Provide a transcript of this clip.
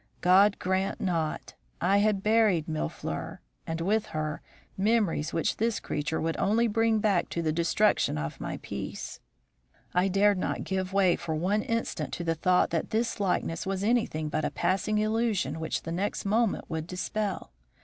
God grant not! I had buried Mille fleurs, and with her, memories which this creature would only bring back to the destruction of my peace. I dared not give way for one instant to the thought that this likeness was anything but a passing illusion which the next moment would dispel.